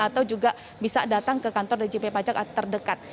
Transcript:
atau juga bisa datang ke kantor djp pajak terdekat